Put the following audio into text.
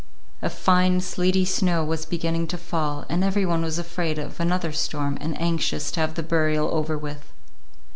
A fine, sleety snow was beginning to fall, and every one was afraid of another storm and anxious to have the burial over with.